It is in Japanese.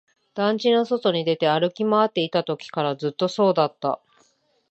団地の外に出て、歩き回っていたときからずっとそうだった